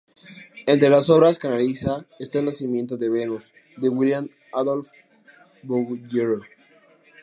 Entre las obras que analiza está "El nacimiento de Venus", de William-Adolphe Bouguereau.